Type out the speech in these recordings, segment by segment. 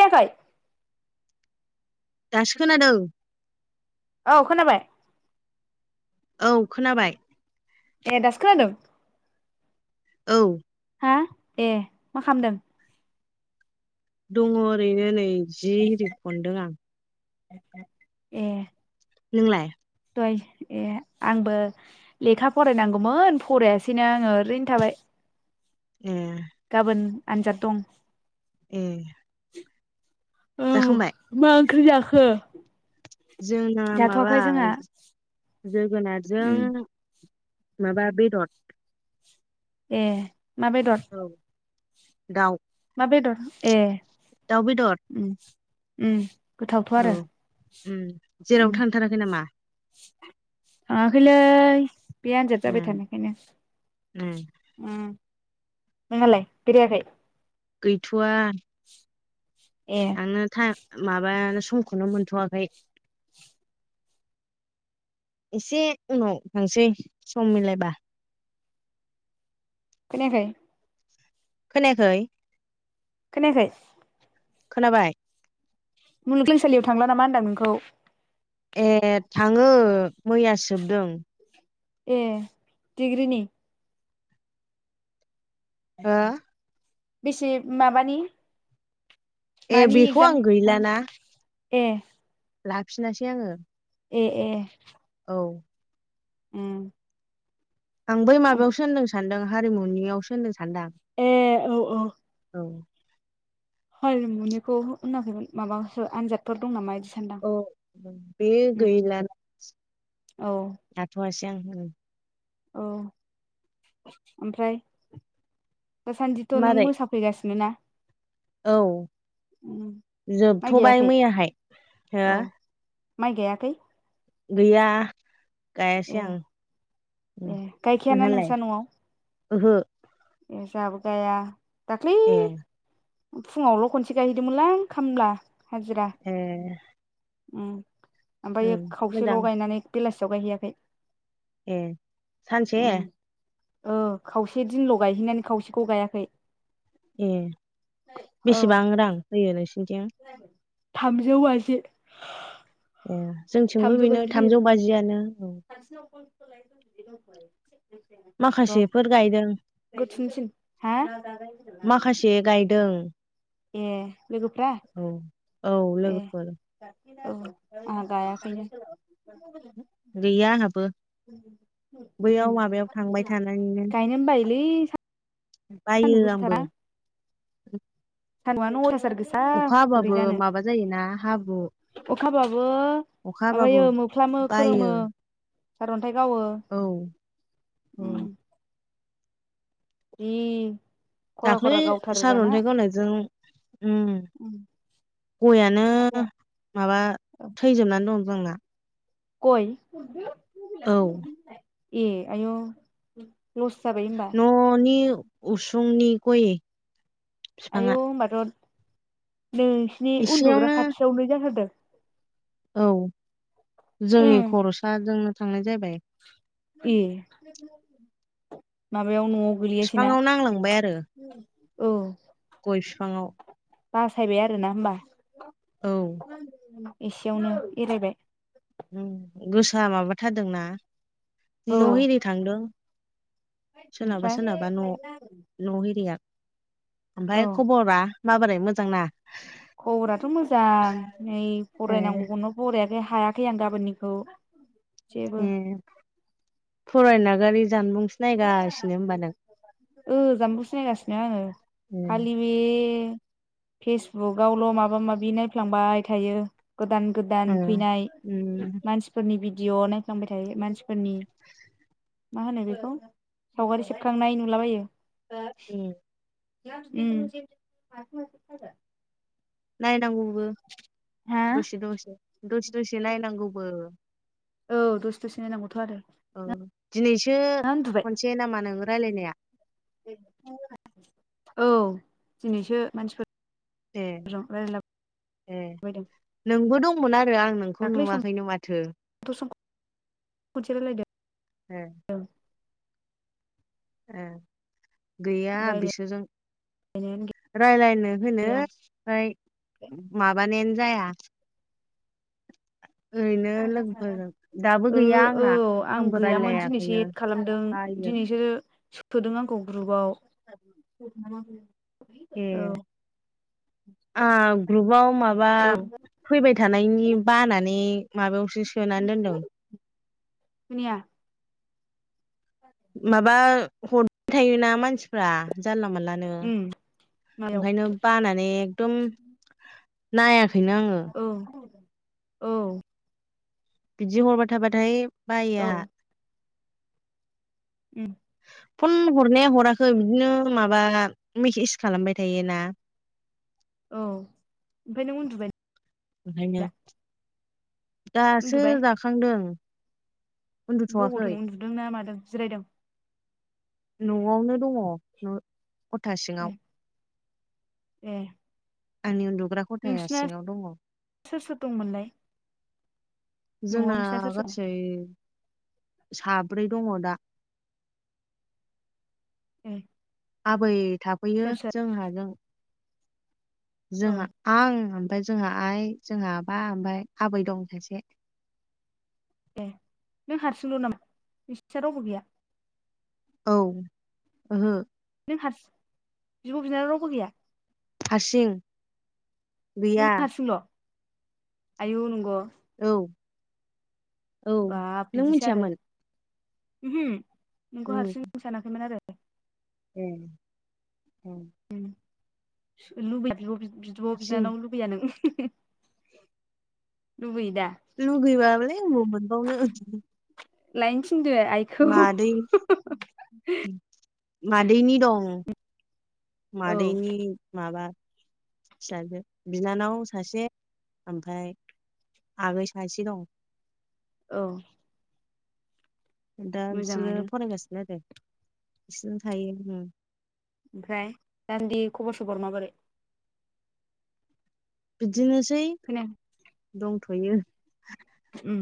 खोनायाखै? दासो खोनादों। औ खोनाबाय। औ खोनाबाय। ए दासो खोनादों? औ। हा ए मा खालामदों? दङ' ओरैनो नै। जि हिरि खनदों आं। ए। नोंलाय? ए आंबो लेखा फरायनांगौमोन फरायासैनो आङो ओरैनो थाबाय। ए गाबोन आनजाद दं। ए। औ जाखांबाय मा ख्रि जाखो? जोंना माबा जाथ'वाखै जोंहा उम जोगोनारजों माबा बेदत ए। मा बेदर? औ दाउ मा बेदर ए। दाउ बेदर उम उम गोथावथ' औ आरो जेरावबो थांथाराखै नामा? आगोल बे आन्जाद जाबाय उम थानायखायनो उम नङलाय गिरियाखाय गैथ'वा। ए थांनो थाइम माबा समखौनो मोनथ'वाखै। एसे उनाव थांसै सम मिलायबा। खोनायाखै? खोनायाखै? खोनायाखै? खोनाबाय। मुलुगलोंसालियाव थांला नामा होनदां नोंखौ? ए थाङो। मैया सोबदों। ए डिग्रिनि? हा? बेसे माबानि? ए मानि बेखौ एगजाम आं मानि गैलाना। ए लाफिनासै आङो। ए ए। औ। उम आं बै माबायावसो होनदों सानदोंं। हारिमुनियाव सोन सान्दां ए औ औ औ। मुनिखौ होनाखै माबा आनजादफोर दं नामा बिदि? सानदां औ बे उम गैलाना औ दाथ' जां [inaudible] औ ओमफ्राय दासान्दिथ' नों मारै मोसाफैगासिनो ना? औ उम माइ जोबथ'बाय गायाखै मैयाहाय हो? औ माइ गायाखै? गैया। गायासै ए आं ए गायखायाना नोंहालाय नोंस्रा न'आव? ओहो। ए जाहाबो गाया। दाख्लै ए फुङावल' खनसे गायहैदोंमोनलां खामला। हाजिरा एह उम ओमफायो खावसेल' गायनानै बेलासे लगायहैयाखै ए सानसे। ओ खावसे दिनल' गायहैनानै खावसेखौ गायाखै। ए बेसेबां रां होयो नोंसि नथिं थामजौ बाजि। ए जोंथिंबो बेनो थामजौ बाजियानो। औ सासेनावबो [unintelligible] माखासेफोर गायदों। बेखौ थुनो थिन हा दों ए लोगोफ्रा औ ए लोगोफोर औ आंहा गायाखैनो। [inaudible] गैया आंहाबो उम बैयाव माबायाव थांबाय थानानैनो। लै बायो आंबो। सानदुं आनो अयथा सार गोसा अखा बोरै हाबाबो जानो माबा जायोना हाब्रु अखाबाबो अखा हाबाबो माबायो मोफ्लामो बायो खोरोमो। सारन थाय गावो औ औ जि खरा खरा दाख्लै गावथारो दाना सार'न्थाइ गावनायजों उम गयानो माथो माबा थैजोबनानै दं। जोंना गय औ ए आय' न' नि उसु फुंनि गय बिफाङा आयौ होमबाथ' नोंसिनि उन्दुग्रा एसेयावनो खाथियावनो जाहोदों औ जोंनि खर'सा जों थांनाय जाबाय ए मा बायाव न'आव गोलैयासैना बिफाङाव नांलांबाय आरो औ गय फिफाङाव बासायबाय आरो ना होमबा औ [inaudible] एसेयावनो एरायबाय ओम गोसा माबाथारदोंना औ न'हैैनो थांदों सोरनाबा ओमफ्राय सोरनाबा न' न' एरिया औ ओमफाय खबरा माबोरै मोजां ना खबराथ' मोजां नै ए फरायनांगौखौनो फरायाखै हायाखै आं गाबोननिखौ जेबो एह फरायनागारि जानबुंसो नायगासिनो होनबा नों ओ जामबुसो नायगासिनो आङो ए खालि बे ए फेसबुकआवल' माबा माबि नायफ्लांबाय थायो गोदान गोदान ओ फैनाय उम मानसिफोरनि बि भिडिअ' नायफ्लांबाय थायो मानसिफोरनि मा होनो बेखौ सावगारि सेबखांनाय नुलाबायो उम [inaudible] [inaudible] [inaudible] नायनांगौ ओम हा दसे दसे दसे दसे नायनांगौबो औ दसे दसे नायनांगौथ' आरो औ दिनैसो ना उन्दुबाय खनसे नामा नों रायलायनाया औ दिनैसो मानसिफोर ए ए नोंबो दं मोना रो आं नोंखौ दाख्लै नुवाखैनो माथो समथ' सम खनसे रायलायदों ओं गैया बिसोरजों रायलायनायानो रालायनो होनो गैया ओमफ्राय माबानायानो जाया ओरैनो लोगोफोरजों दाबो ओ गैया औ आंना आं आंबो गैयामोन दिनैसो रायलायाखैनो एद खालामदों बायो दिनैसो सोदों आंखौ ग्रुपाव ए औ आ ग्रुपाव माबा औ फैबाय थानायनि बानानै माबायावसो सोना दोनदों खोनाया माबा हरबाय थायोना मानसिफ्रा जानला मोनलानो उम मायाव ओंखायनो बानानै उम नाया औ औ बिदि हरबाय थाबाथाय बायोया औ उम फन हरनाया हराखै बिदिनो माबा मेसेज खालामबाय थायोना औ ओमफ्राय नों उन्दुबाय ओंखायनो दा दासो उन्दुबाय जाखांदों उन्दुथ'वाखै [unintelligible] उन्दुदोंना मादों जिरायदों नआवनो दङ [unintelligible] खथा ए सिङाव ए आनि उन्दु नोंसिना सोर सोर दंमोनलाय न'आव जोंना नोंसिना सोर सोर गासै साब्रै दङ दा ए आबै थाफैयो सोर सोर जों हाजों औ जोंहा आं ओमफ्राय जोंहा आइ जोंहा आबा ओमफ्राय आबै दं सासे दे नों हारसिंल' नामा नोंसिना रावबो गैया औ ओहो नों हारसिं बिब' बिनानाव रावबो गैया हारसिं नों गैया हारसिल' आयौ नंगौ औ औ नों मिथियामोन उम हो नोंखौ उम हारसिं सानाखैमोन आरो उम औ [unintelligible] बिब' बिनानाव लुबैया नों लुबैयो दा लुगैब्ला बोलाय बबाव मोनबावनो [unintelligible] थिनदो आइखौ मादै मादैनि दं औ मादैनि माबा फिसाजो बिनानाव सासे ओमफ्राय आगै सासे दं औ दा बिसोरो मोजाङानो फरायगासिनो आरो बिसोरनो थायो ओमफ्राय दासान्दि खबर सबर माबोरै बिदिनोसै खोनाया दंथ'यो उम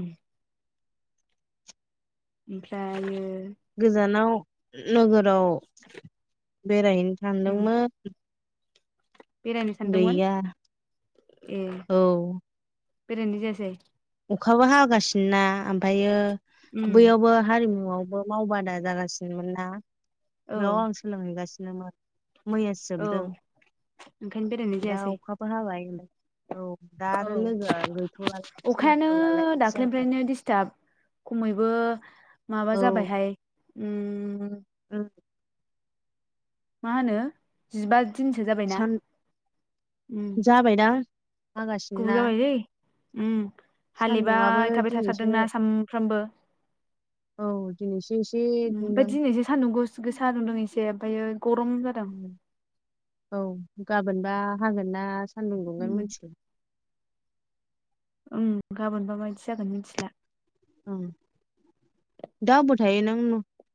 ओमफ्रायो गोजानाव नोगोराव बेरायनो उम सानदोंमोन बेरायनो सानदोंमोन गैया ए औ बेरायनाय जायासै अखाबो हागासिनो ना ओमफ्रायो उम बैयावबो हारिमु न'आवबो मावबादा जागासिनोमोन ना औ बेयाव आं सोलोंहैगासि नोमोन मैयासो औ जोबदों ओंखायनो बेरायनाय दा जायासै अखाबो हाबाय होन [inaudible] औ दा आरो लोगोआ गैथ'लालाय खानो सोलाबथ'लालाय बिदि जाबाय दाख्लिनिफ्रायनो दिसथाब खमै बो माबा औ जाबायहाय उम उम मा होनो जिबा दिनसो जाबायना सान जाबाय दा गुबाव जाबायलै उ सान्दुंआबो हाालेबाय थाबाय दिनैसो थाथारदोंना सानफ्रामबो दिनैस ओमफफ्राय दिनैसो सान्दुं गोस-गोसा दुंदों एसे फायो गरम जादों औ गाबोनबा हागोन ना सान्दुं दुंगोन उम मिथिला उम गाबोनबा मायदि जागोन मिथिला उम दा अबाव थायो नों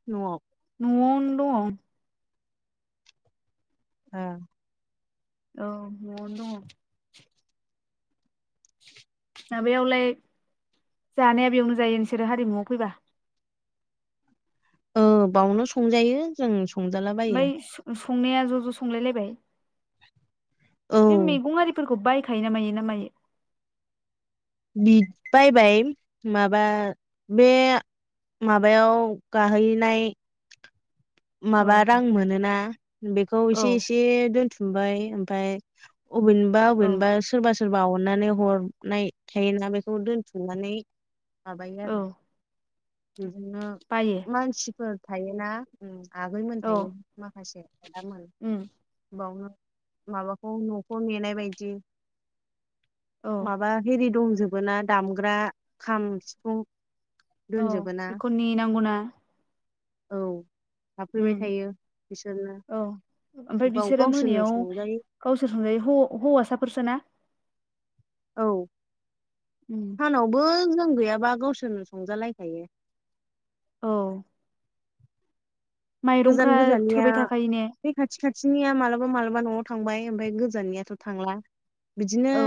न'आव नवावनो दं ओ औ नवावनो दङ माबायावलाय जानाया बेयावनो जायो नोंसोरो हारिमुआव फैबा औ बावनो संजायो जों संजालाबायो ओमफ्राय संनाया ज' ज' संलायलायबाय बे औ मैगं आरिफोरखौ बायखायो ना मायो ना मायो बिद बायबाय माबा बे माबायाव गाहैनाय औ माबा रां मोनोना बेखौ औ एसे एसे दोनथु‌ ओमबाय ओमफाय अबेनिबा औ अबेनिबा सोरबा सोरबा अननानै हरनाय थायोना बेखौ दोनथुमनानै माबायो औ आरो बेजोंनो बायो मानसिफोर थायोना उम आगैमोन औ थायो माखासे आदामोन उम बावनो माबाखौ नखौ नेनाय बायदि औ माबा हेरि दं जोबोना दामग्रा खाम सिफुं औ दोनजोबो ना बेखौ ने नांगौना औ हाबफैबाय ओम थायो बिसोरनो औ ओमफ्राय गाव बिसोरो गावसोरनो मोनायाव संजायो गावसोर संजायो हौ हौवासाफोरसोना? औ उम सानावबो जा आं गैयाबा गावसोरनो संजालायखायो। औ माइरंफ्रा थोबाय थाखायो ने? थिनिया मालाबा मालाबा नआव थांबाय ओमफाय गोजाननियाथ थांला बिदिनो औ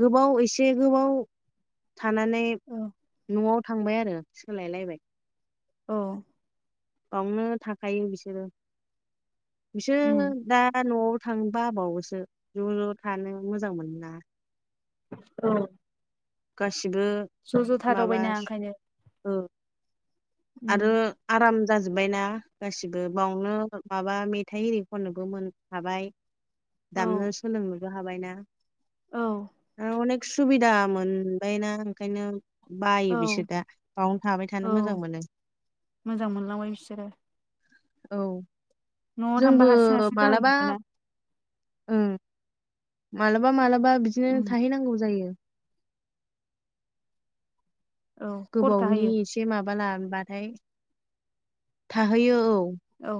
गोबाव एसे गोबाव थानानै औ नआव थांबाय आरो सोलायलायबाय औ बावनो थाखायो बिसोरो उम बिसोर दा नआव थां बाबावोसो ज ज‌ थानो मोजां मोनो ना औ गासि बो ज' ज' माबा थादावबायना ओंखायनो ओ उम आरो आराम जाजोब्बायना गासिबो बावनो माबा मेथाइ एरि खननोबो मोनहाबाय औ दामनो सोलोङो बो हाबायना औ अनेक सुबिदा मोनबायना ओंखायनो बायो बिसोर औ दा बावनो थाबाय थानो औ मोजां मोनो मोजां मोनलांबाय बिसोरो औ न'आव थांबा हारसिं हारसिंं जाहैजोबोना ओम मालाबा लामाब बा बिदिनो उम थाहैनांगौ जायो औ खरथा गोबावनि होयो एसे माब माबा लबाथाय थाहैयो औ औ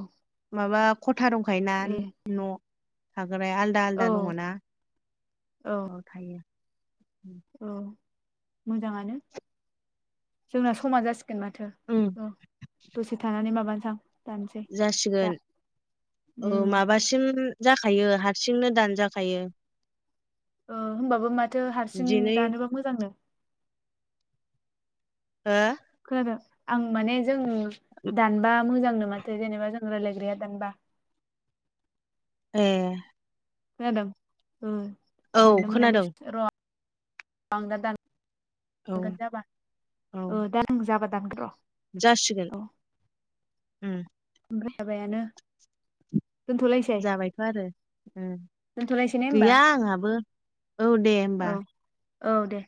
माबाब था दंखायो ए नान न' ओफ्राय आलदा औ आलदा दङना औ थायो औ मोजाङानो जोंना समा जासि गोन माथो ओम औ दसे थानानै माबा थाम जासिगोन औ उम माबा सिम जाखायो हारसिंनो दान्जाखायो ओ होनोमबाबो माथो हारसिं दिनै दानोबा मोजांनो हो खोनादों आं माने जोङो दानबा मोजांनो माथो जेनेबा जों रायलायग्राया दानबा ए खोनादों ओम औ दानो मोना खोनादों लसो र' आं दा दान औ दानगोन जाबा औ ओ दा नों जाबा दानगोन र' जासिगोन औ ओम जाबायानो जाबायथ' आरो ओम दोनथ'लायसै ने होमबा गैया आंहाबो औ दे औ होमबा औ दे